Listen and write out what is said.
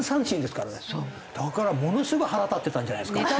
だからものすごい腹立ってたんじゃないですか？